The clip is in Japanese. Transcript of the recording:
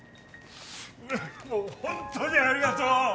もうホントにありがとう